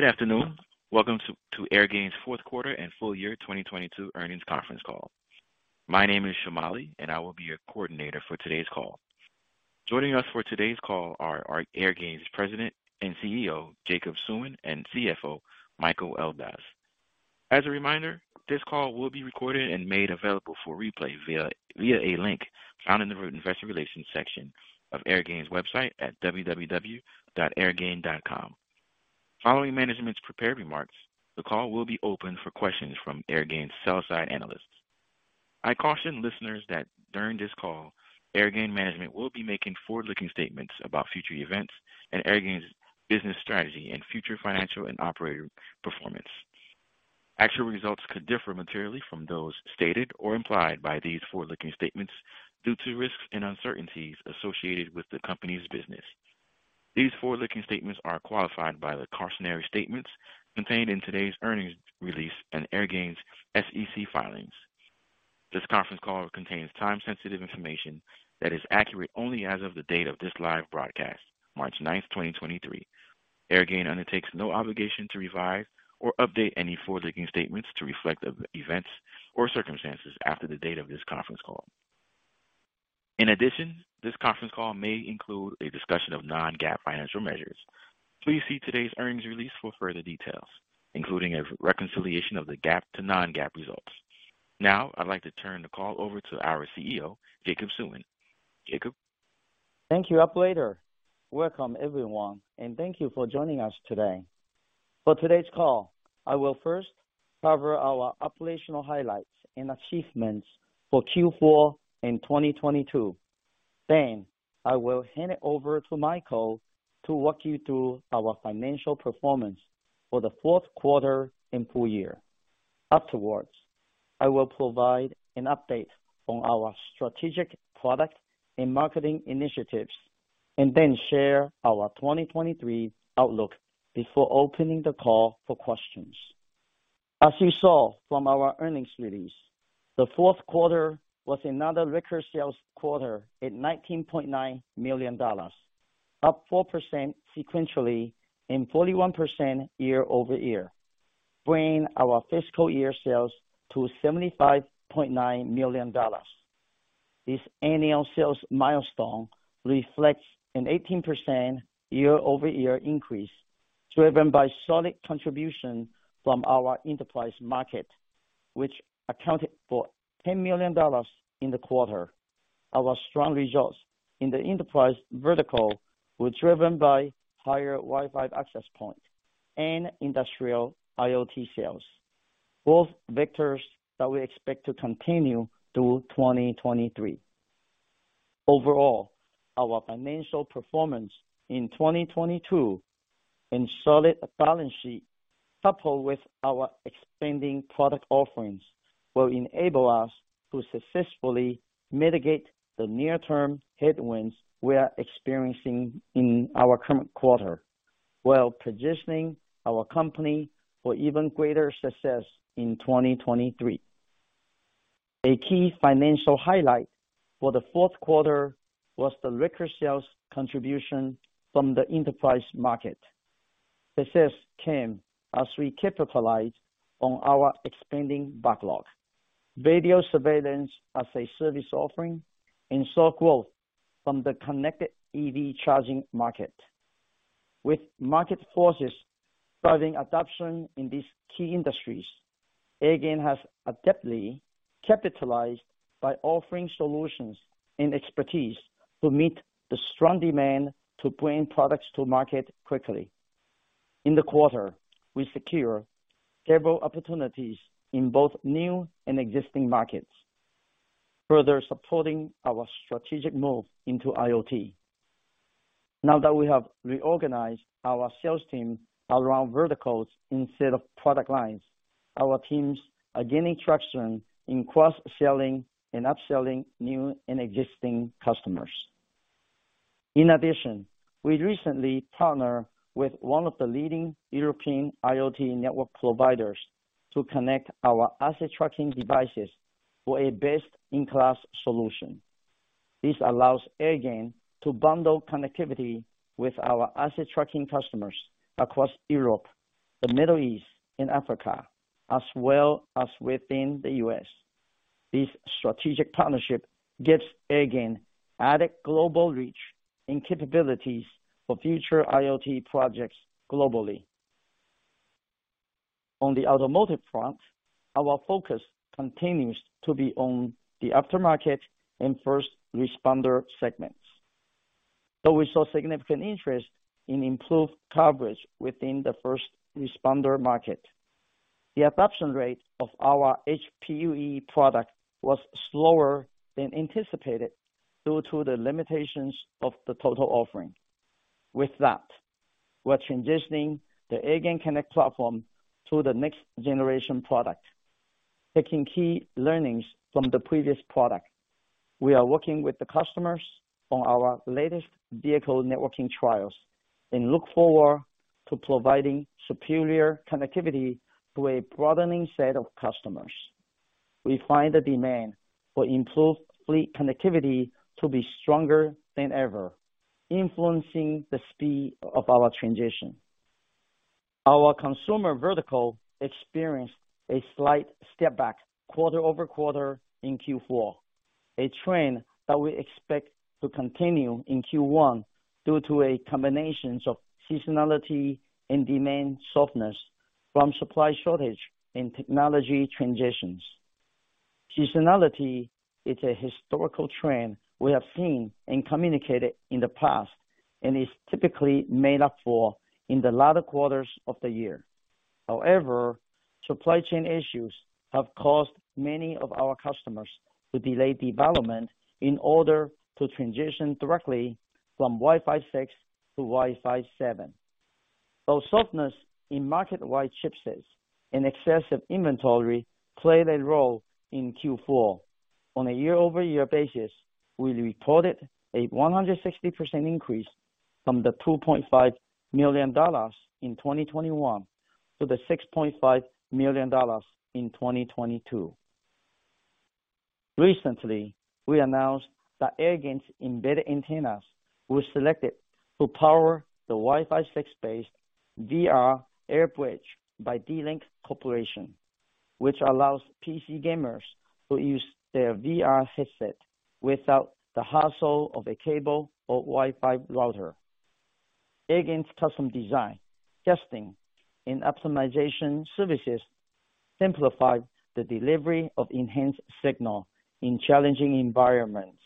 Good afternoon. Welcome to Airgain's fourth quarter and full year 2022 earnings conference call. My name is Shamali, and I will be your coordinator for today's call. Joining us for today's call are Airgain's President and CEO, Jacob Suen, and CFO, Michael Elbaz. As a reminder, this call will be recorded and made available for replay via a link found in the investor relations section of Airgain's website at www.airgain.com. Following management's prepared remarks, the call will be open for questions from Airgain's sell-side analysts. I caution listeners that during this call, Airgain management will be making forward-looking statements about future events and Airgain's business strategy and future financial and operating performance. Actual results could differ materially from those stated or implied by these forward-looking statements due to risks and uncertainties associated with the company's business. These forward-looking statements are qualified by the cautionary statements contained in today's earnings release and Airgain's SEC filings. This conference call contains time-sensitive information that is accurate only as of the date of this live broadcast, March 9th, 2023. Airgain undertakes no obligation to revise or update any forward-looking statements to reflect events or circumstances after the date of this conference call. In addition, this conference call may include a discussion of non-GAAP financial measures. Please see today's earnings release for further details, including a reconciliation of the GAAP to non-GAAP results. Now, I'd like to turn the call over to our CEO, Jacob Suen. Jacob? Thank you, operator. Welcome everyone. Thank you for joining us today. For today's call, I will first cover our operational highlights and achievements for Q4 and 2022. I will hand it over to Michael to walk you through our financial performance for the fourth quarter and full year. Afterwards, I will provide an update on our strategic product and marketing initiatives, and then share our 2023 outlook before opening the call for questions. As you saw from our earnings release, the fourth quarter was another record sales quarter at $19.9 million, up 4% sequentially and 41% year-over-year, bringing our fiscal year sales to $75.9 million. This annual sales milestone reflects an 18% year-over-year increase, driven by solid contribution from our enterprise market, which accounted for $10 million in the quarter. Our strong results in the enterprise vertical were driven by higher Wi-Fi access point and industrial IoT sales, both vectors that we expect to continue through 2023. Overall, our financial performance in 2022 and solid balance sheet, coupled with our expanding product offerings, will enable us to successfully mitigate the near-term headwinds we are experiencing in our current quarter, while positioning our company for even greater success in 2023. A key financial highlight for the fourth quarter was the record sales contribution from the enterprise market. This came as we capitalized on our expanding backlog, video surveillance as a service offering, and saw growth from the connected EV charging market. With market forces driving adoption in these key industries, Airgain has adeptly capitalized by offering solutions and expertise to meet the strong demand to bring products to market quickly. In the quarter, we secured several opportunities in both new and existing markets, further supporting our strategic move into IoT. Now that we have reorganized our sales team around verticals instead of product lines, our teams are gaining traction in cross-selling and upselling new and existing customers. In addition, we recently partnered with one of the leading European IoT network providers to connect our asset tracking devices to a best-in-class solution. This allows Airgain to bundle connectivity with our asset tracking customers across Europe, the Middle East, and Africa, as well as within the U.S. This strategic partnership gives Airgain added global reach and capabilities for future IoT projects globally. On the automotive front, our focus continues to be on the aftermarket and first responder segments. Though we saw significant interest in improved coverage within the first responder market, the adoption rate of our HPUE product was slower than anticipated due to the limitations of the total offering. With that, we're transitioning the AirgainConnect platform to the next generation product, taking key learnings from the previous product. We are working with the customers on our latest vehicle networking trials and look forward to providing superior connectivity to a broadening set of customers. We find the demand for improved fleet connectivity to be stronger than ever, influencing the speed of our transition. Our consumer vertical experienced a slight step back quarter-over-quarter in Q4, a trend that we expect to continue in Q1 due to a combination of seasonality and demand softness from supply shortage and technology transitions. Seasonality is a historical trend we have seen and communicated in the past and is typically made up for in the latter quarters of the year. However, supply chain issues have caused many of our customers to delay development in order to transition directly from Wi-Fi 6 to Wi-Fi 7. Though softness in market-wide chipsets and excessive inventory played a role in Q4. On a year-over-year basis, we reported a 160% increase from the $2.5 million in 2021 to the $6.5 million in 2022. Recently, we announced that Airgain's embedded antennas were selected to power the Wi-Fi 6-based VR Air Bridge by D-Link Corporation, which allows PC gamers to use their VR headset without the hassle of a cable or Wi-Fi router. Airgain's custom design, testing, and optimization services simplified the delivery of enhanced signal in challenging environments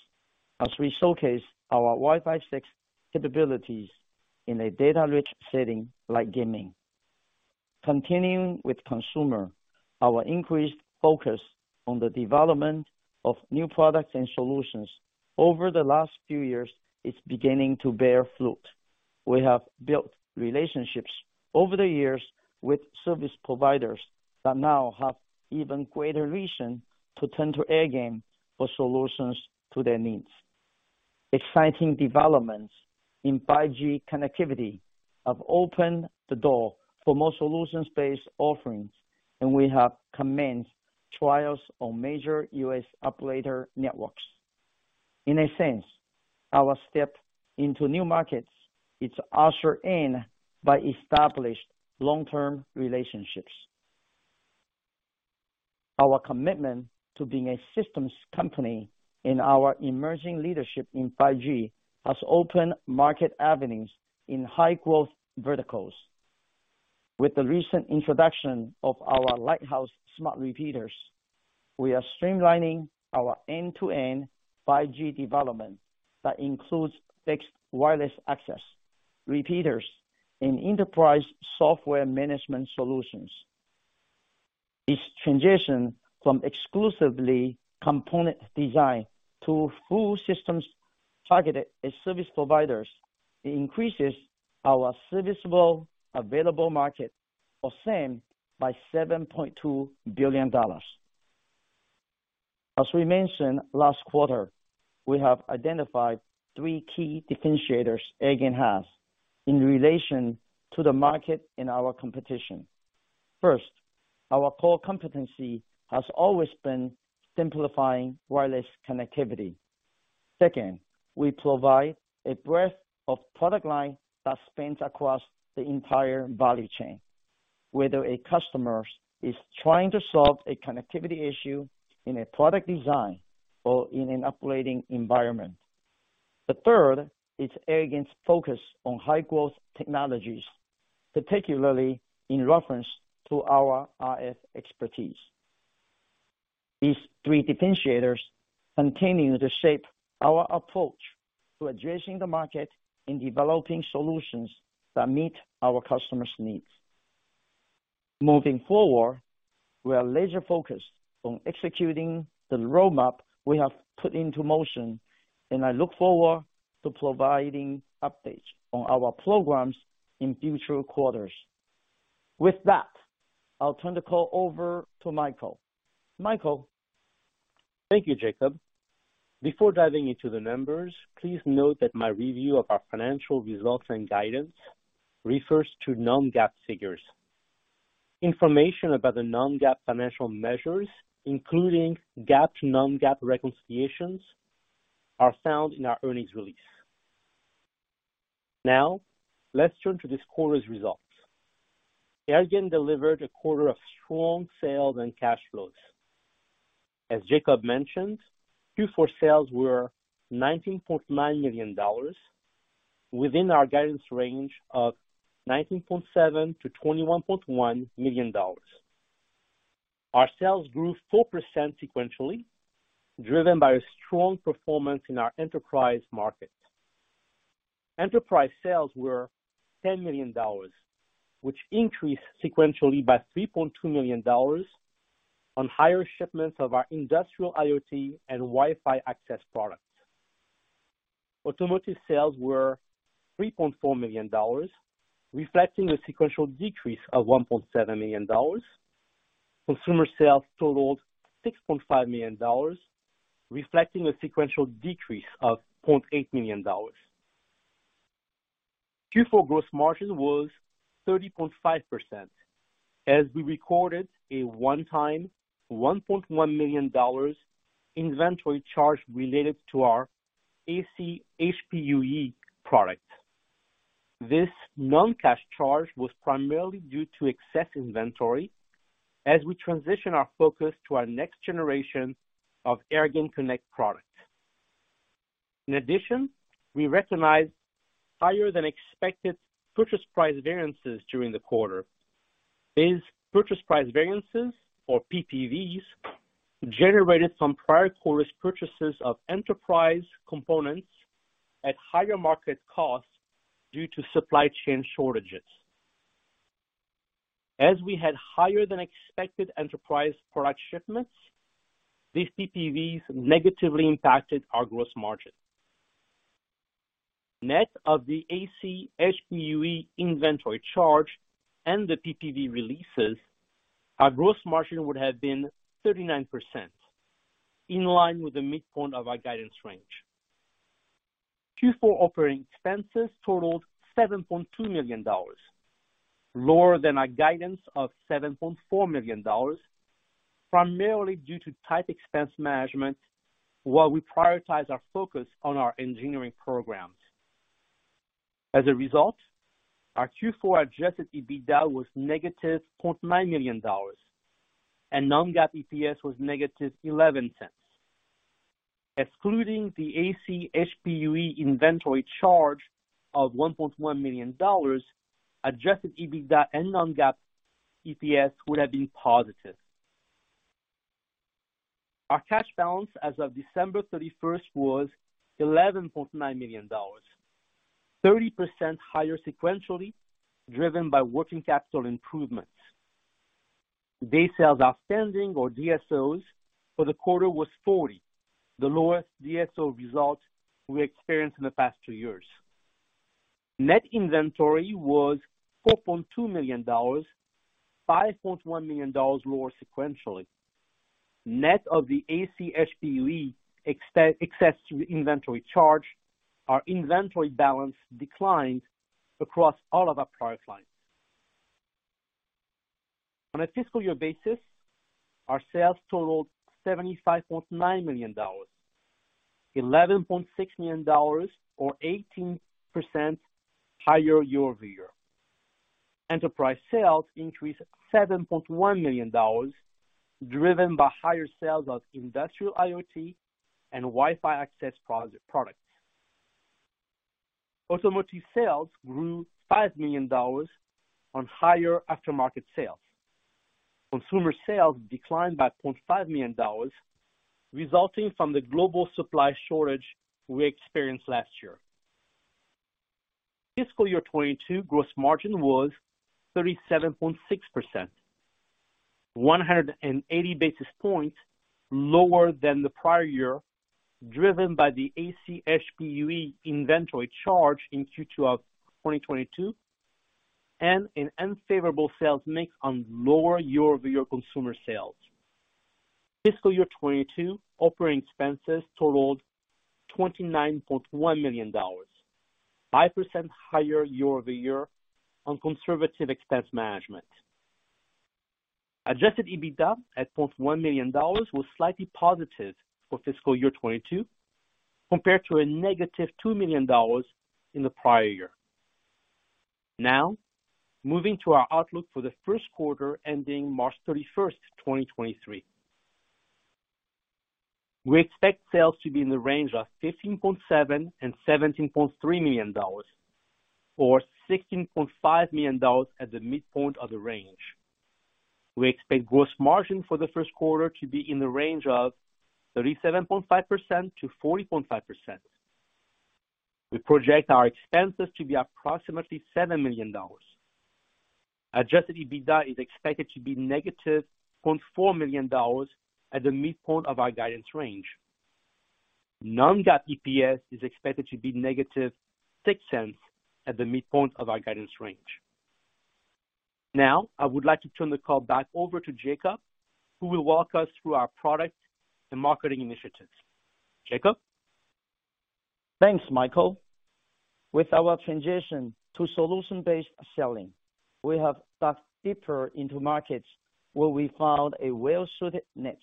as we showcase our Wi-Fi 6 capabilities in a data-rich setting like gaming. Continuing with consumer, our increased focus on the development of new products and solutions over the last few years is beginning to bear fruit. We have built relationships over the years with service providers that now have even greater reason to turn to Airgain for solutions to their needs. Exciting developments in 5G connectivity have opened the door for more solutions-based offerings, and we have commenced trials on major U.S. operator networks. In a sense, our step into new markets is ushered in by established long-term relationships. Our commitment to being a systems company and our emerging leadership in 5G has opened market avenues in high-growth verticals. With the recent introduction of our Lighthouse Smart Repeaters, we are streamlining our end-to-end 5G development that includes fixed wireless access, repeaters, and enterprise software management solutions. This transition from exclusively component design to full systems targeted at service providers increases our serviceable available market, or SAM, by $7.2 billion. As we mentioned last quarter, we have identified three key differentiators Airgain has in relation to the market and our competition. First, our core competency has always been simplifying wireless connectivity. Second, we provide a breadth of product line that spans across the entire value chain, whether a customer is trying to solve a connectivity issue in a product design or in an operating environment. The third is Airgain's focus on high-growth technologies, particularly in reference to our RF expertise. These three differentiators continue to shape our approach to addressing the market and developing solutions that meet our customers' needs. Moving forward, we are laser-focused on executing the roadmap we have put into motion, and I look forward to providing updates on our programs in future quarters. With that, I'll turn the call over to Michael. Michael? Thank you, Jacob. Before diving into the numbers, please note that my review of our financial results and guidance refers to non-GAAP figures. Information about the non-GAAP financial measures, including GAAP to non-GAAP reconciliations, are found in our earnings release. Let's turn to this quarter's results. Airgain delivered a quarter of strong sales and cash flows. As Jacob mentioned, Q4 sales were $19.9 million within our guidance range of $19.7 million-$21.1 million. Our sales grew 4% sequentially, driven by a strong performance in our enterprise market. Enterprise sales were $10 million, which increased sequentially by $3.2 million on higher shipments of our industrial IoT and Wi-Fi access products. Automotive sales were $3.4 million, reflecting a sequential decrease of $1.7 million. Consumer sales totaled $6.5 million, reflecting a sequential decrease of $0.8 million. Q4 gross margin was 30.5% as we recorded a one-time $1.1 million inventory charge related to our AC HPUE product. This non-cash charge was primarily due to excess inventory as we transition our focus to our next generation of AirgainConnect products. In addition, we recognized higher than expected purchase price variances during the quarter. These purchase price variances, or PPVs, generated from prior quarters purchases of enterprise components at higher market costs due to supply chain shortages. As we had higher than expected enterprise product shipments, these PPVs negatively impacted our gross margin. Net of the AC HPUE inventory charge and the PPV releases, our gross margin would have been 39%, in line with the midpoint of our guidance range. Q4 operating expenses totaled $7.2 million, lower than our guidance of $7.4 million, primarily due to tight expense management while we prioritize our focus on our engineering programs. Our Q4 adjusted EBITDA was -$0.9 million and non-GAAP EPS was -$0.11. Excluding the AC HPUE inventory charge of $1.1 million, adjusted EBITDA and non-GAAP EPS would have been positive. Our cash balance as of December 31st was $11.9 million, 30% higher sequentially, driven by working capital improvements. Days sales outstanding, or DSOs, for the quarter was 40, the lowest DSO result we experienced in the past two years. Net inventory was $4.2 million, $5.1 million lower sequentially. Net of the AC HPUE excess inventory charge, our inventory balance declined across all of our product lines. On a fiscal year basis, our sales totaled $75.9 million, $11.6 million or 18% higher year-over-year. Enterprise sales increased $7.1 million, driven by higher sales of industrial IoT and Wi-Fi access point products. Automotive sales grew $5 million on higher aftermarket sales. Consumer sales declined by $0.5 million, resulting from the global supply shortage we experienced last year. Fiscal year 2022 gross margin was 37.6%, 180 basis points lower than the prior year, driven by the AC HPUE inventory charge in Q2 of 2022 and an unfavorable sales mix on lower year-over-year consumer sales. Fiscal year 2022 operating expenses totaled $29.1 million, 5% higher year-over-year on conservative expense management. adjusted EBITDA at $0.1 million was slightly positive for fiscal year 2022 compared to a -$2 million in the prior year. Now, moving to our outlook for the first quarter ending March 31st, 2023. We expect sales to be in the range of $15.7 million-$17.3 million, or $16.5 million at the midpoint of the range. We expect gross margin for the first quarter to be in the range of 37.5%-40.5%. We project our expenses to be approximately $7 million. Adjusted EBITDA is expected to be -$0.4 million at the midpoint of our guidance range. Non-GAAP EPS is expected to be -$0.06 at the midpoint of our guidance range. Now, I would like to turn the call back over to Jacob, who will walk us through our product and marketing initiatives. Jacob? Thanks, Michael. With our transition to solution-based selling, we have dug deeper into markets where we found a well-suited niche,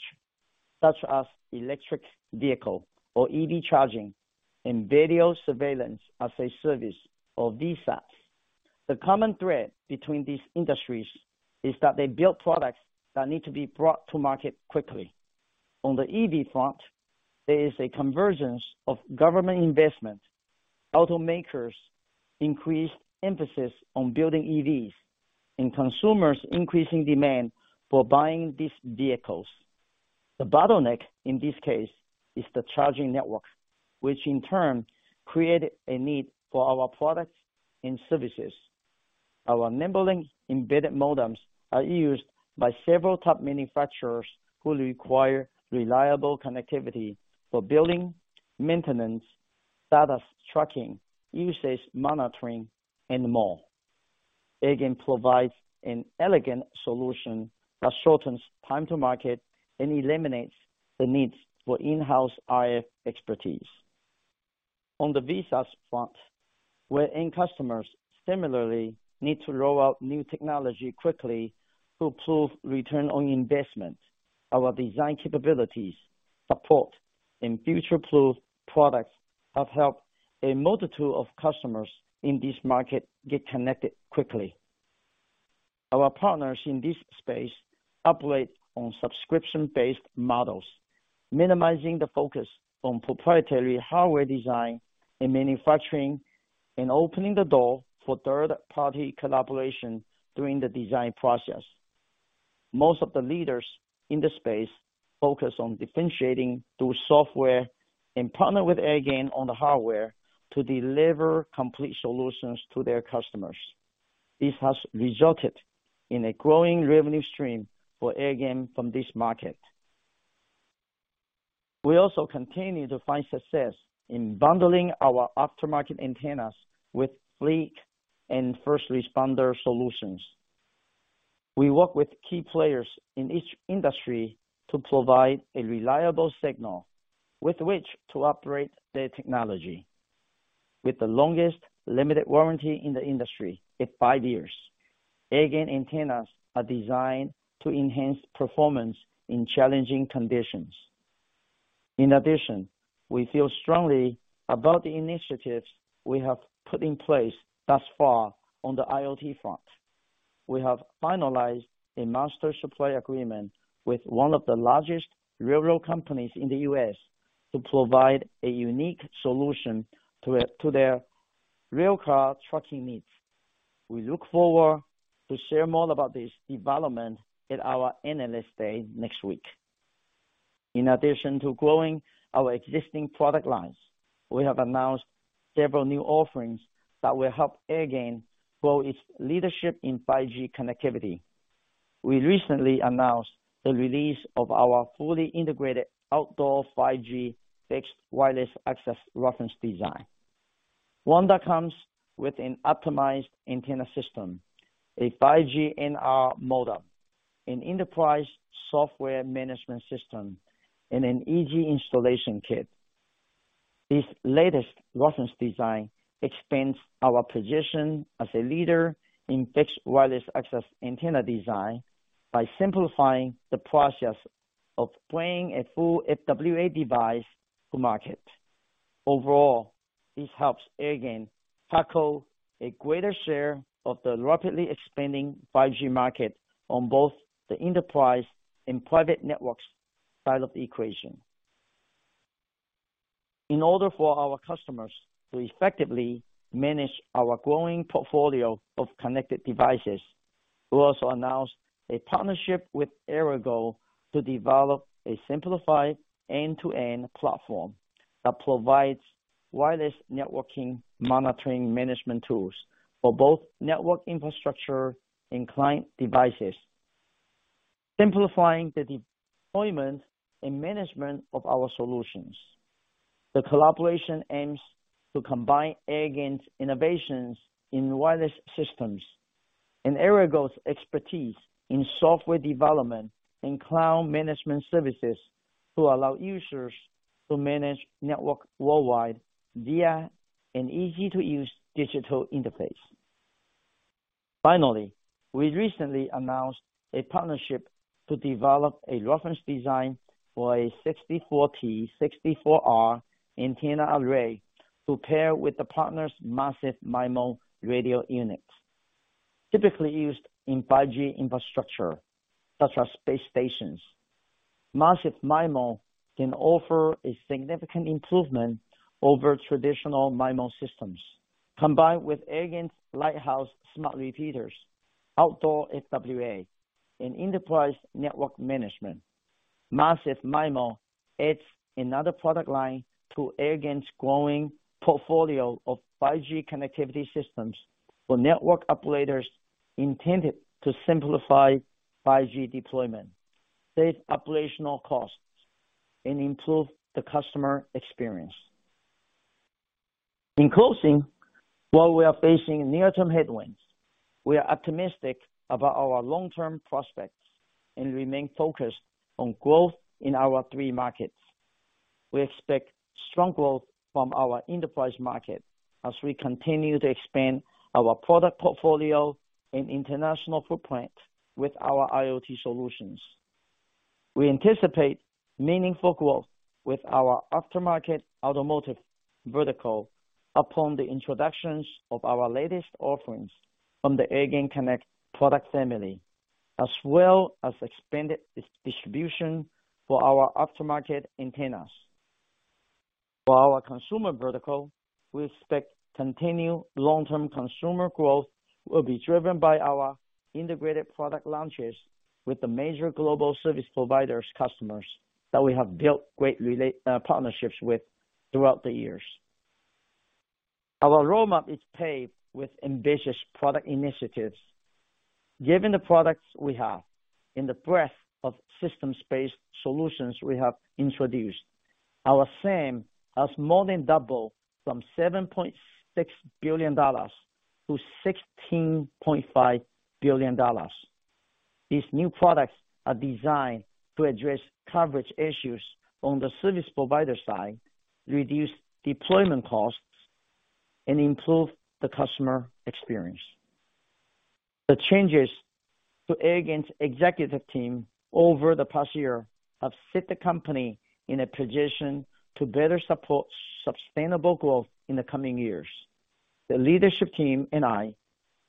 such as electric vehicle or EV charging and video surveillance as a service or VSaaS. The common thread between these industries is that they build products that need to be brought to market quickly. On the EV front, there is a convergence of government investment, automakers increased emphasis on building EVs, consumers' increasing demand for buying these vehicles. The bottleneck in this case is the charging network, which in turn creates a need for our products and services. Our enabling embedded modems are used by several top manufacturers who require reliable connectivity for building, maintenance, status tracking, usage monitoring, and more. Airgain provides an elegant solution that shortens time to market and eliminates the need for in-house RF expertise. On the VSaaS front, where end customers similarly need to roll out new technology quickly to improve return on investment, our design capabilities, support, and future-proof products have helped a multitude of customers in this market get connected quickly. Our partners in this space operate on subscription-based models, minimizing the focus on proprietary hardware design and manufacturing and opening the door for third-party collaboration during the design process. Most of the leaders in the space focus on differentiating through software and partner with Airgain on the hardware to deliver complete solutions to their customers. This has resulted in a growing revenue stream for Airgain from this market. We also continue to find success in bundling our aftermarket antennas with fleet and first responder solutions. We work with key players in each industry to provide a reliable signal with which to operate their technology. With the longest limited warranty in the industry at five years, Airgain antennas are designed to enhance performance in challenging conditions. In addition, we feel strongly about the initiatives we have put in place thus far on the IoT front. We have finalized a master supply agreement with one of the largest railroad companies in the U.S. to provide a unique solution to their railcar tracking needs. We look forward to sharing more about this development at our Analyst Day next week. In addition to growing our existing product lines, we have announced several new offerings that will help Airgain grow its leadership in 5G connectivity. We recently announced the release of our fully integrated outdoor 5G fixed wireless access reference design. One that comes with an optimized antenna system, a 5G NR modem, an enterprise software management system, and an easy installation kit. This latest reference design expands our position as a leader in fixed wireless access antenna design by simplifying the process of bringing a full FWA device to market. Overall, this helps Airgain tackle a greater share of the rapidly expanding 5G market on both the enterprise and private networks side of the equation. In order for our customers to effectively manage our growing portfolio of connected devices, we also announced a partnership with Errigal to develop a simplified end-to-end platform that provides wireless networking monitoring management tools for both network infrastructure and client devices, simplifying the deployment and management of our solutions. The collaboration aims to combine Airgain's innovations in wireless systems and Errigal 's expertise in software development and cloud management services to allow users to manage networks worldwide via an easy-to-use digital interface. Finally, we recently announced a partnership to develop a reference design for a 64T64R antenna array to pair with the partner's massive MIMO radio units. Typically used in 5G infrastructure, such as base stations, massive MIMO can offer a significant improvement over traditional MIMO systems. Combined with Airgain's Lighthouse Smart Repeaters, outdoor FWA, and enterprise network management, massive MIMO adds another product line to Airgain's growing portfolio of 5G connectivity systems for network operators intended to simplify 5G deployment, save operational costs, and improve the customer experience. In closing, while we are facing near-term headwinds, we are optimistic about our long-term prospects and remain focused on growth in our three markets. We expect strong growth from our enterprise market as we continue to expand our product portfolio and international footprint with our IoT solutions. We anticipate meaningful growth with our aftermarket automotive vertical upon the introductions of our latest offerings on the AirgainConnect product family, as well as expanded distribution for our aftermarket antennas. For our consumer vertical, we expect continued long-term consumer growth will be driven by our integrated product launches with the major global service providers customers that we have built great partnerships with throughout the years. Our roadmap is paved with ambitious product initiatives. Given the products we have and the breadth of systems-based solutions we have introduced, our SAM has more than doubled from $7.6 billion to $16.5 billion. These new products are designed to address coverage issues on the service provider side, reduce deployment costs, and improve the customer experience. The changes to Airgain's executive team over the past year have set the company in a position to better support sustainable growth in the coming years. The leadership team and I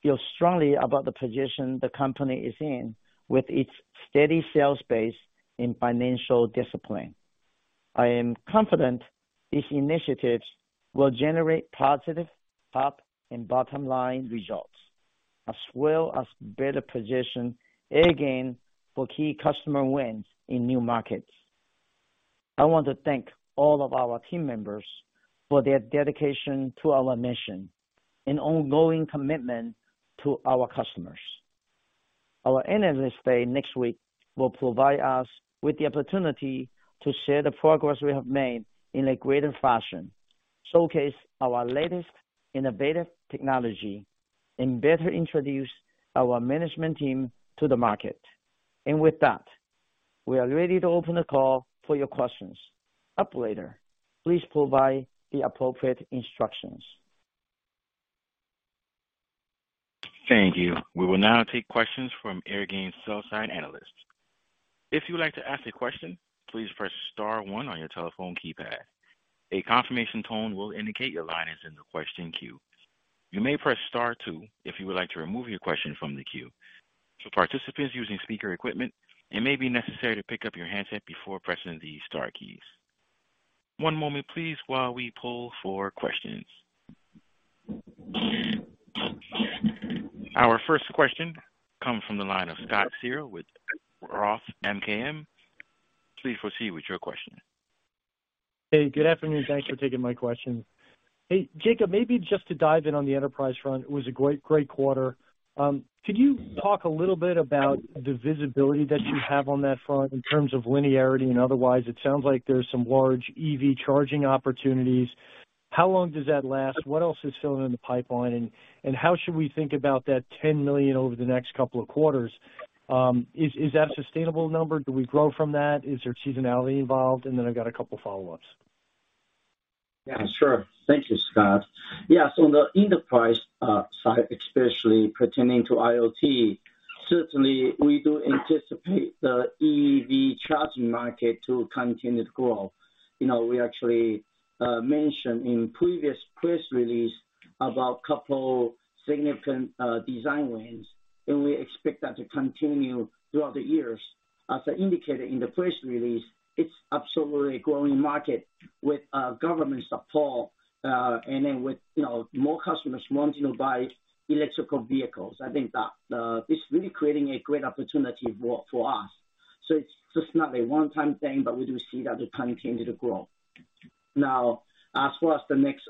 feel strongly about the position the company is in with its steady sales base and financial discipline. I am confident these initiatives will generate positive top and bottom-line results, as well as better position Airgain for key customer wins in new markets. I want to thank all of our team members for their dedication to our mission and ongoing commitment to our customers. Our Analyst Day next week will provide us with the opportunity to share the progress we have made in a greater fashion, showcase our latest innovative technology, and better introduce our management team to the market. With that, we are ready to open the call for your questions. Operator, please provide the appropriate instructions. Thank you. We will now take questions from Airgain sell-side analysts. If you would like to ask a question, please press star one on your telephone keypad. A confirmation tone will indicate your line is in the question queue. You may press star two if you would like to remove your question from the queue. For participants using speaker equipment, it may be necessary to pick up your handset before pressing the star key. One moment, please, while we poll for questions. Our first question comes from the line of Scott Searle with Roth MKM. Please proceed with your question. Hey, good afternoon. Thanks for taking my question. Hey, Jacob, maybe just to dive in on the enterprise front. It was a great quarter. Can you talk a little bit about the visibility that you have on that front in terms of linearity and otherwise? It sounds like there's some large EV charging opportunities. How long does that last? What else is still in the pipeline? How should we think about that $10 million over the next couple of quarters? Is that a sustainable number? Do we grow from that? Is there seasonality involved? I got a couple follow-ups. Sure. Thank you, Scott. The enterprise side, especially pertaining to IoT, certainly we do anticipate the EV charging market to continue to grow. We actually mentioned in previous press release about couple significant design wins, and we expect that to continue throughout the years. As I indicated in the press release, it's absolutely a growing market with government support, and then with more customers wanting to buy electrical vehicles. I think that it's really creating a great opportunity for us. It's not a one-time thing, but we do see that continued growth. As far as the next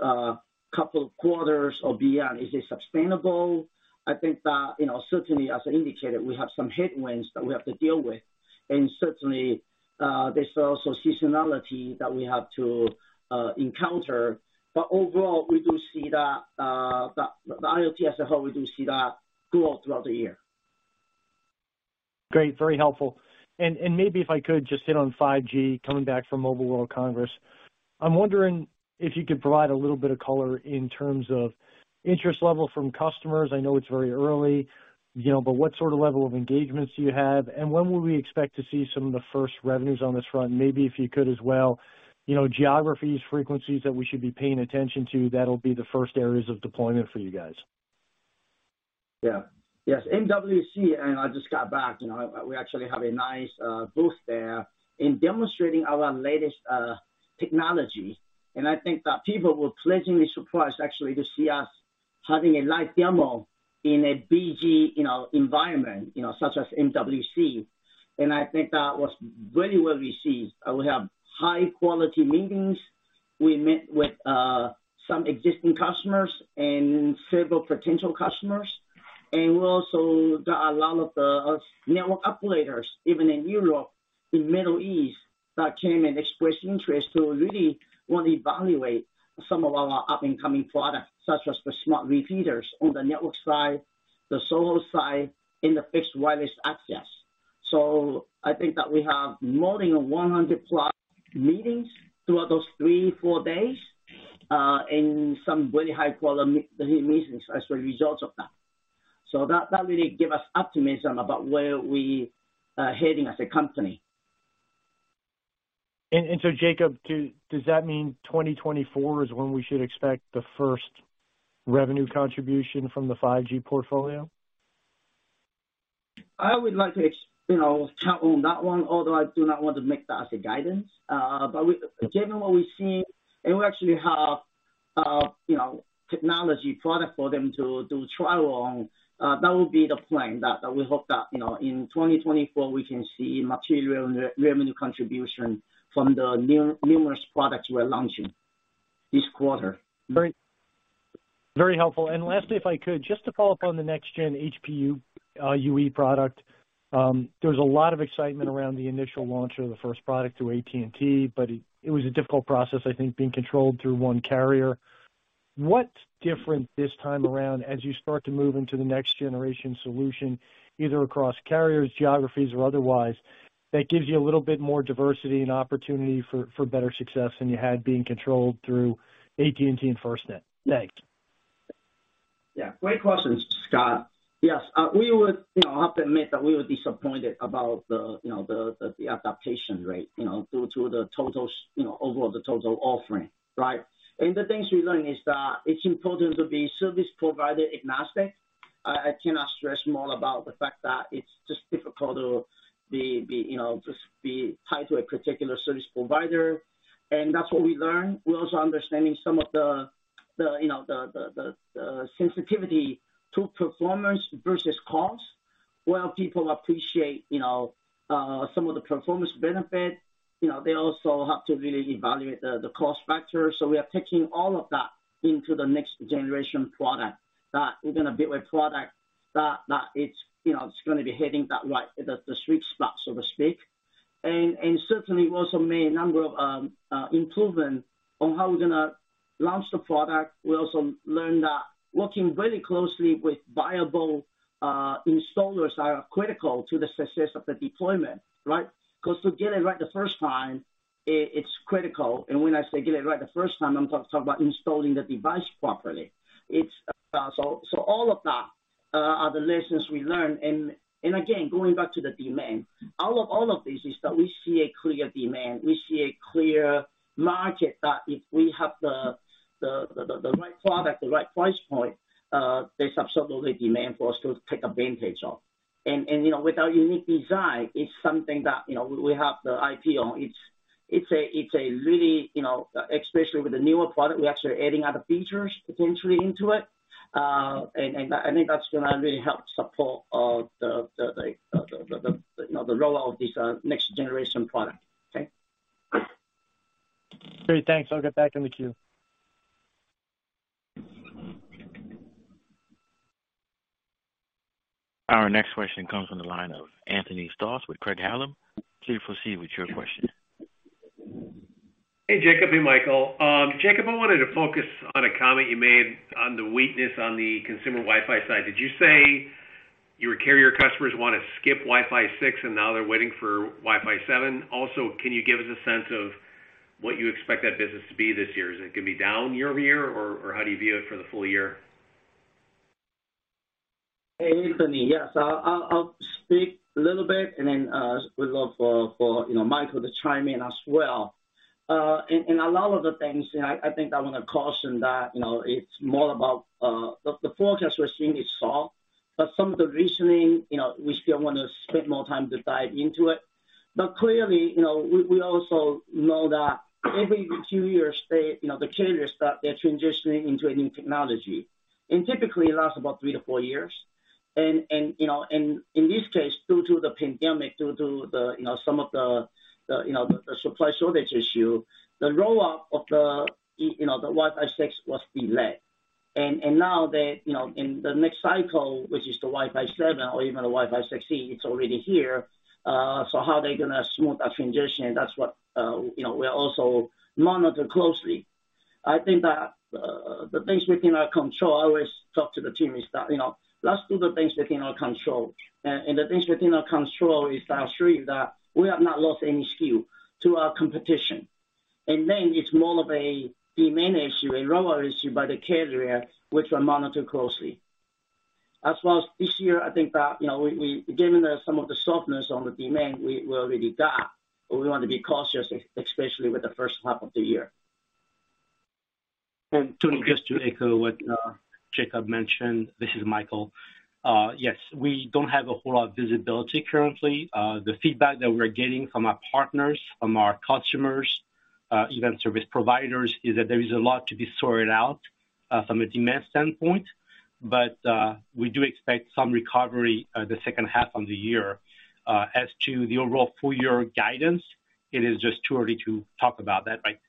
couple of quarters or beyond, is it sustainable? Certainly as indicated, we have some headwinds that we have to deal with, and certainly, there's also seasonality that we have to encounter. Overall, we do see that the IoT as a whole, we do see that grow throughout the year. Great. Very helpful. Maybe if I could just hit on 5G coming back from Mobile World Congress. I'm wondering if you could provide a little bit of color in terms of interest level from customers. I know it's very early, but what sort of level of engagements do you have, and when would we expect to see some of the first revenues on this front? Maybe if you could as well, geographies, frequencies that we should be paying attention to, that'll be the first areas of deployment for you guys. Yeah. Yes, MWC. I just got back. We actually have a nice booth there in demonstrating our latest technology. I think that people were pleasantly surprised actually to see us having a live demo in a big environment, such as MWC. I think that was very well received. We have high-quality meetings. We met with some existing customers and several potential customers. We also got a lot of network operators, even in Europe, in Middle East, that came and expressed interest to really want to evaluate some of our up-and-coming products, such as the Smart Repeaters on the network side, the cell site, and the fixed wireless access. I think that we have more than 100+ meetings throughout those three, four days, and some very high-quality meetings as a result of that. That really give us optimism about where we are heading as a company. Jacob, does that mean 2024 is when we should expect the first revenue contribution from the 5G portfolio? I would like to count on that one, although I do not want to make that as a guidance. Generally we see, and we actually have a technology product for them to try on. That would be the plan that we hope that in 2024, we can see material revenue contribution from the numerous products we are launching this quarter. Great. Very helpful. Lastly, if I could, just to follow up on the next gen HPUE product. There's a lot of excitement around the initial launch of the first product through AT&T, but it was a difficult process, I think, being controlled through one carrier. What's different this time around as you start to move into the next generation solution, either across carriers, geographies, or otherwise, that gives you a little bit more diversity and opportunity for better success than you had being controlled through AT&T and FirstNet? Yeah. Great questions, Scott. Yes. We would have to admit that we were disappointed about the adaptation rate due to the overall total offering. Right? The things we learned is that it's important to be service provider agnostic. I cannot stress more about the fact that it's just difficult to be tied to a particular service provider. That's what we learned. We're also understanding some of the sensitivity to performance versus cost. While people appreciate some of the performance benefit, they also have to really evaluate the cost factor. We are taking all of that into the next generation product, that integrated product, that it's going to be hitting the sweet spot, so to speak. Certainly, we also made a number of improvements on how we're going to launch the product. We also learned that working very closely with viable installers are critical to the success of the deployment, right? To get it right the first time, it's critical. When I say get it right the first time, I'm talking about installing the device properly. All of that are the lessons we learned. Again, going back to the demand, out of all of this is that we see a clear demand. We see a clear market that if we have the right product, the right price point, there's absolutely demand for us to take advantage of. With our unique design, it's something that we have the IP on. Especially with the newer product, we're actually adding other features potentially into it. I think that's going to really help support the rollout of this next generation product. Okay. Great. Thanks. I'll get back on the queue. Our next question comes on the line of Anthony Stoss with Craig-Hallum. Please proceed with your question. Hey, Jacob and Michael. Jacob, I wanted to focus on a comment you made on the weakness on the consumer Wi-Fi side. Did you say your carrier customers want to skip Wi-Fi 6 and now they're waiting for Wi-Fi 7? Also, can you give us a sense of what you expect that business to be this year? Is it going to be down year-over-year or how do you view it for the full year? Hey, Anthony. Yes. I'll speak a little bit and then as we go for Michael to chime in as well. In a lot of the things, I think I want to caution that it's more about the forecast we're seeing is soft, but some of the reasoning, we still want to spend more time to dive into it. Clearly, we also know that every two years, the carriers start their transitioning into a new technology. Typically, it lasts about three to four years. In this case, due to the pandemic, due to some of the supply shortage issue, the rollout of the Wi-Fi 6 was delayed. Now in the next cycle, which is the Wi-Fi 7 or even Wi-Fi 6E, it's already here. How are they going to smooth that transition? That's what we also monitor closely. I think that the things within our control, I always talk to the team is that, let's do the things within our control. The things within our control is to assure you that we have not lost any deal to our competition. It's more of a demand issue, a rollout issue by the carrier, which we monitor closely. As well as this year, I think that we're dealing with some of the softness on the demand. We already did that. We want to be cautious, especially with the first half of the year. Just to echo what Jacob mentioned, this is Michael. Yes, we don't have a whole lot of visibility currently. The feedback that we're getting from our partners, from our customers, even service providers, is that there is a lot to be sorted out from a demand standpoint. We do expect some recovery the second half of the year. As to the overall full year guidance, it is just too early to talk about that right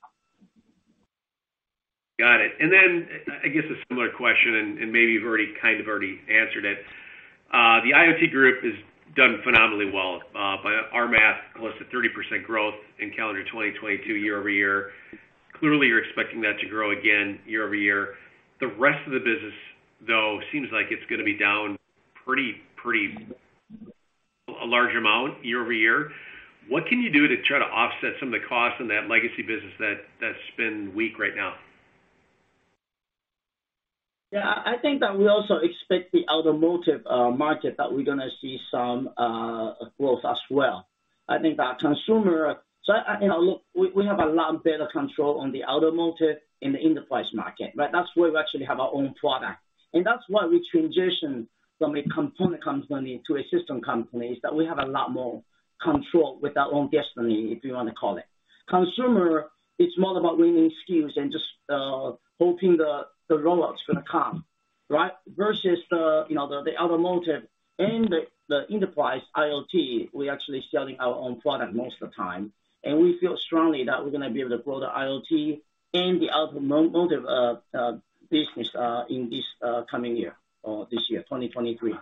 now. Got it. I guess a similar question, maybe you've already kind of already answered it. The IoT group has done phenomenally well. By our math, close to 30% growth in calendar 2022 year-over-year. Clearly, you're expecting that to grow again year-over-year. The rest of the business, though, seems like it's going to be down a large amount year-over-year. What can you do to try to offset some of the costs in that legacy business that's been weak right now? Yeah. I think that we also expect the automotive market that we're going to see some growth as well. We have a lot better control on the automotive and the enterprise market. That's where we actually have our own product. That's why we transition from a component company to a system company, is that we have a lot more control with our own destiny, if you want to call it. Hoping the rollout's going to come, right? Versus the automotive and the enterprise IoT. We're actually selling our own product most of the time, and we feel strongly that we're going to be in the broader IoT and the automotive business in this coming year or this year, 2023.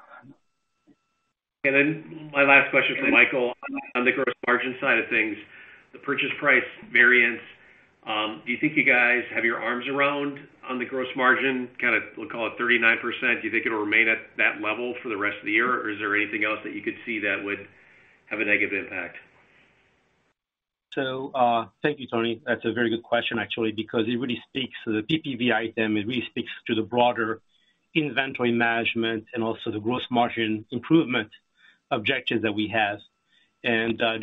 My last question for Michael on the gross margin side of things, the purchase price variance, do you think you guys have your arms around on the gross margin, we'll call it 39%? Do you think it'll remain at that level for the rest of the year, or is there anything else that you could see that would have a negative impact? Thank you, Tony. That's a very good question, actually, because it really speaks to the PPV item. It really speaks to the broader inventory management and also the gross margin improvement objective that we have.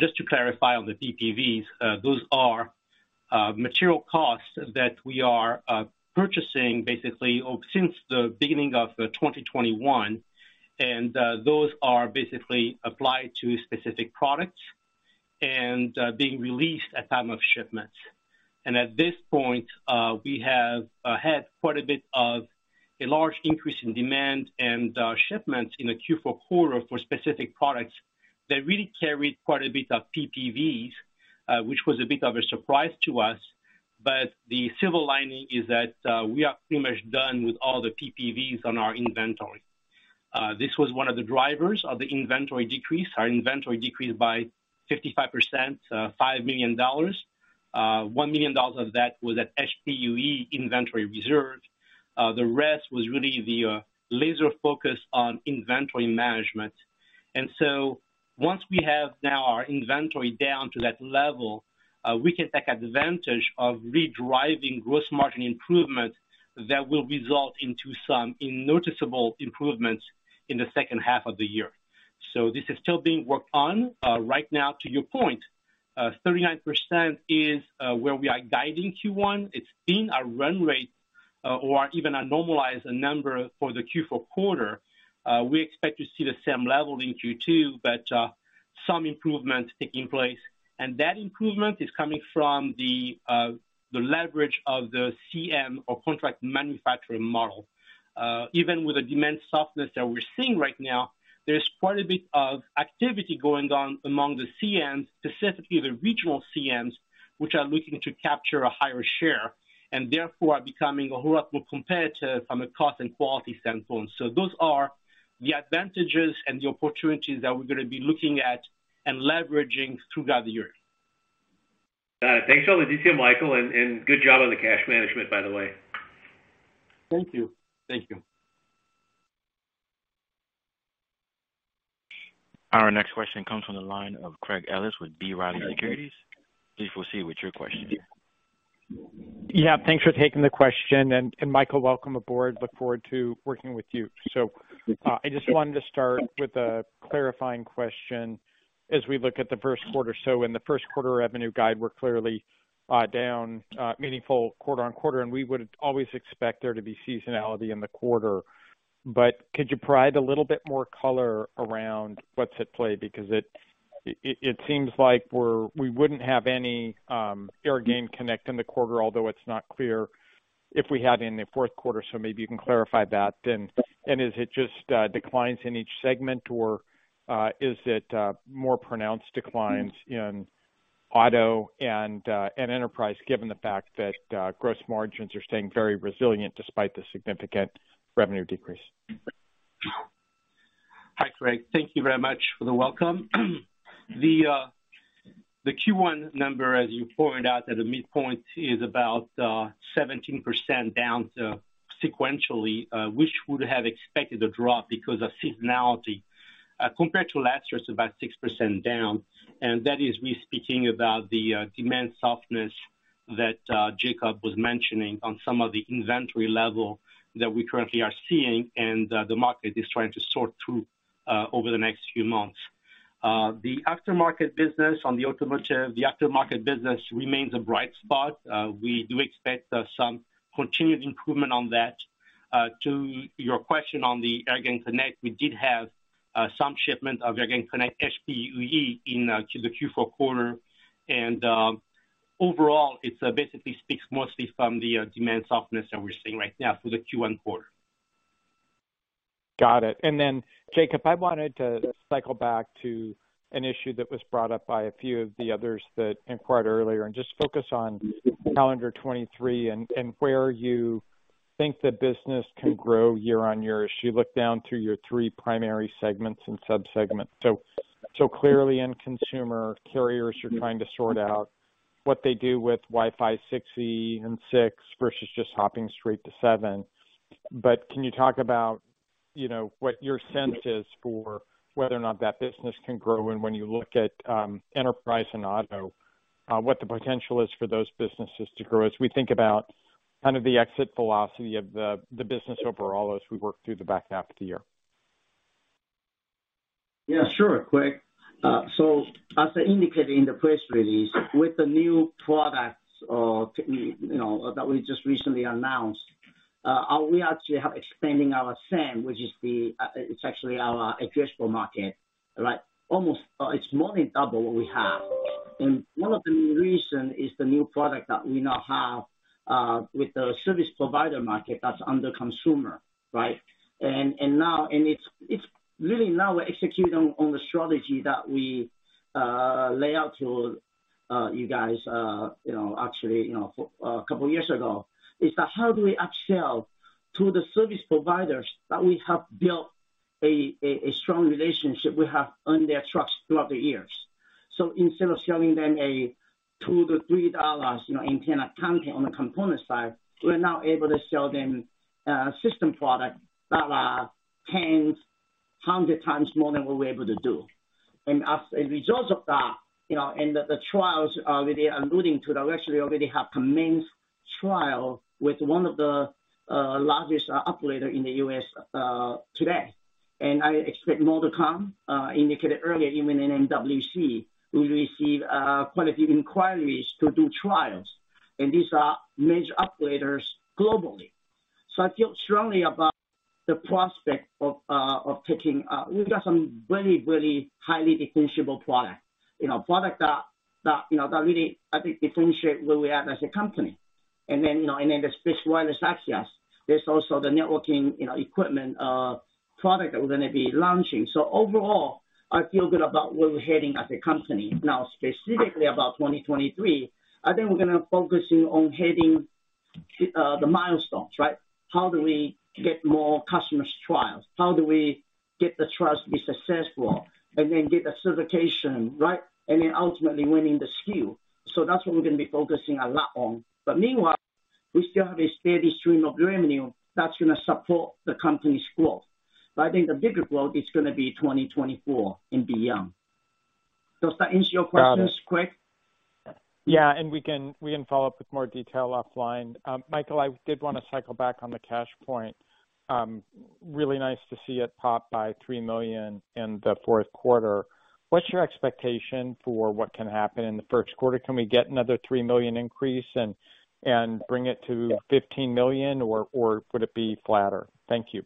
Just to clarify on the PPVs, those are material costs that we are purchasing basically since the beginning of 2021, and those are basically applied to specific products and being released at time of shipment. At this point, we have had quite a bit of a large increase in demand and shipments in the Q4 quarter for specific products that really carried quite a bit of PPVs, which was a bit of a surprise to us. The silver lining is that we are pretty much done with all the PPVs on our inventory. This was one of the drivers of the inventory decrease. Our inventory decreased by 55%, $5 million. $1 million of that was an HPUE inventory reserve. The rest was really the laser focus on inventory management. Once we have now our inventory down to that level, we can take advantage of redriving gross margin improvements that will result into some noticeable improvements in the second half of the year. This is still being worked on right now, to your point. 39% is where we are guiding Q1. It's been a run rate or even a normalized number for the Q4 quarter. We expect to see the same level in Q2, but some improvements taking place. That improvement is coming from the leverage of the CM or contract manufacturing model. Even with the demand softness that we're seeing right now, there's quite a bit of activity going on among the CMs, specifically the regional CMs, which are looking to capture a higher share and therefore are becoming a whole lot more competitive on the cost and quality standpoint. Those are the advantages and the opportunities that we're going to be looking at and leveraging throughout the year. Thanks for all the detail, Michael, and good job on the cash management, by the way. Thank you. Our next question comes on the line of Craig Ellis with B. Riley Securities. Please proceed with your question. Thanks for taking the question, and Michael, welcome aboard. Look forward to working with you. I just wanted to start with a clarifying question as we look at the first quarter. In the first quarter revenue guide, we're clearly down meaningful quarter-on-quarter, and we would always expect there to be seasonality in the quarter. Could you provide a little bit more color around what's at play? Because it seems like we wouldn't have any AirgainConnect in the quarter, although it's not clear if we had any in the fourth quarter. Maybe you can clarify that then. Is it just declines in each segment, or is it more pronounced declines in auto and enterprise, given the fact that gross margins are staying very resilient despite the significant revenue decrease? Hi, Craig. Thank you very much for the welcome. The Q1 number, as you pointed out at the midpoint, is about 17% down sequentially, which would have expected a drop because of seasonality. Compared to last year, it's about 6% down, and that is me speaking about the demand softness that Jacob was mentioning on some of the inventory level that we currently are seeing and the market is trying to sort through over the next few months. The aftermarket business on the automotive, the aftermarket business remains a bright spot. We do expect some continuous improvement on that. To your question on the AirgainConnect, we did have some shipment of AirgainConnect HPUE in to the Q4 quarter, and overall it basically speaks mostly from the demand softness that we're seeing right now for the Q1 quarter. Got it. Then, Jacob, I wanted to cycle back to an issue that was brought up by a few of the others that inquired earlier and just focus on calendar 2023 and where you think the business can grow year-on-year as you look down through your three primary segments and sub-segments. Clearly in consumer, carriers are trying to sort out what they do with Wi-Fi 6E and 6 versus just hopping straight to 7. Can you talk about what your sense is for whether or not that business can grow? And when you look at Enterprise and Auto what the potential is for those businesses to grow as we think about kind of the exit velocity of the business overall as we work through the back half of the year? Yeah, sure, Craig. As indicated in the press release, with the new products that we just recently announced We are actually expanding our TAM, which is actually our addressable market. It's more than double what we have. One of the reasons is the new product that we now have with the service provider market that's under consumer. Now we're executing on the strategy that we laid out to you guys actually a couple of years ago, is that how do we upsell to the service providers that we have built a strong relationship, we have earned their trust throughout the years. Instead of selling them a $2-$3 antenna package on the component side, we're now able to sell them a system product that are 10, 100 times more than what we're able to do. As a result of that, and the trials already alluding to that, we actually already have commenced trial with one of the largest operator in the U.S. today. I expect more to come. I indicated earlier, even in MWC, we received quality inquiries to do trials, and these are major operators globally. I feel strongly about the prospect. We've got some really highly differentiable product. Product that really, I think, differentiate where we are as a company. There's fixed wireless access. There's also the networking equipment product that we're going to be launching. Overall, I feel good about where we're heading as a company. Now, specifically about 2023, I think we're going to focusing on hitting the milestones. How do we get more customers trials? How do we get the trials to be successful and then get the certification? Ultimately winning this deal. That's what we're going to be focusing a lot on. Meanwhile, we still have a steady stream of revenue that's going to support the company's growth. I think the bigger growth is going to be 2024 and beyond. Does that answer your questions, Craig? Yeah. We can follow up with more detail offline. Michael, I did want to cycle back on the cash point. Really nice to see it pop by $3 million in the fourth quarter. What's your expectation for what can happen in the first quarter? Can we get another $3 million increase and bring it to $15 million, or would it be flatter? Thank you.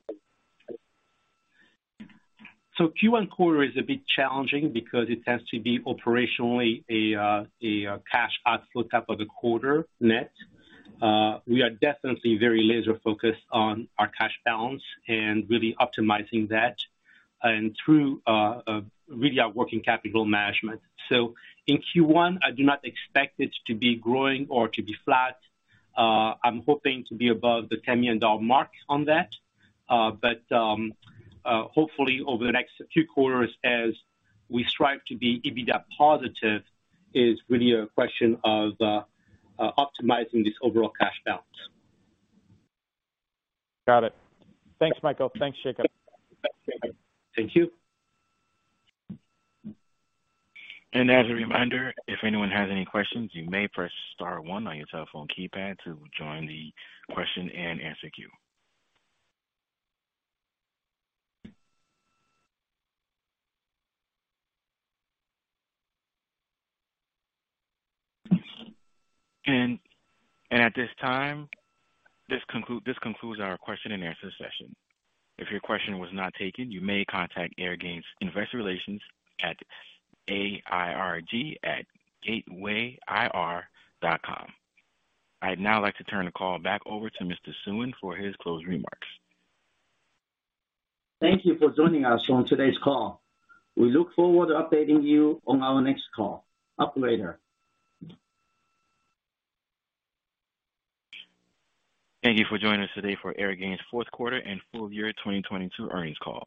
Q1 quarter is a bit challenging because it tends to be operationally a cash outflow type of a quarter net. We are definitely very laser focused on our cash balance and really optimizing that and through really our working capital management. In Q1, I do not expect it to be growing or to be flat. I'm hoping to be above the $10 million mark on that. Hopefully over the next two quarters as we strive to be EBITDA positive, is really a question of optimizing this overall cash balance. Got it. Thanks, Michael. Thanks, Jacob. Thank you. As a reminder, if anyone has any questions, you may press star one on your telephone keypad to join the question and answer queue. At this time, this concludes our question and answer session. If your question was not taken, you may contact Airgain's Investor Relations at airg@gatewayir.com. I'd now like to turn the call back over to Mr. Suen for his closing remarks. Thank you for joining us on today's call. We look forward to updating you on our next call. Talk to you later. Thank you for joining us today for Airgain's fourth quarter and full year 2022 earnings call.